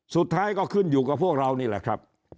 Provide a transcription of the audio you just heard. สุดท้ายก็ขึ้นอยู่กับพวกเรานี่แหละครับ